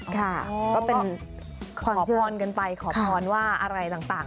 ค่ะก็เป็นขอพรกันไปขอพรว่าอะไรต่าง